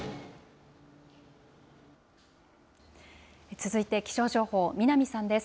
続いて気象情報、南さんです。